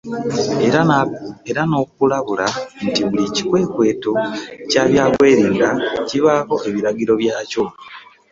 Era n'okubalabula nti buli kikwekweto kya byakwerinda kibaako ebiragiro byakyo